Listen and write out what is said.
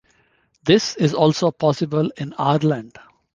This is also possible in Ireland.